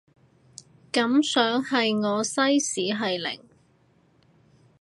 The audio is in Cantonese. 感想係我西史係零